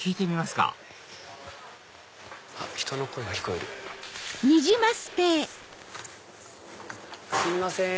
すいません。